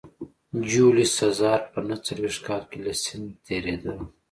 جیولیوس سزار په نهه څلوېښت کال کې له سیند تېرېده